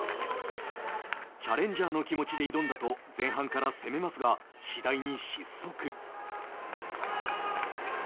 チャレンジャーの気持ちで挑んだと前半から攻めますが次第に失速。